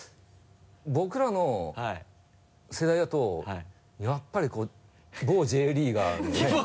僕らの世代だとやっぱりこう某Ｊリーガーのね。